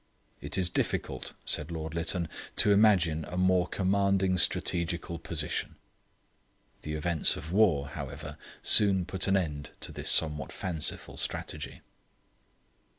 'It is difficult,' said Lord Lytton, 'to imagine a more commanding strategical position.' The events of the war, however, soon put an end to this somewhat fanciful strategy.